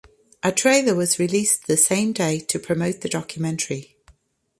A trailer was released the same day to promote the documentary.